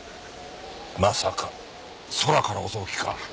まさか空から襲う気か？